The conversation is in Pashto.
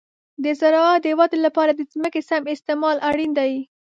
د زراعت د ودې لپاره د ځمکې سم استعمال اړین دی.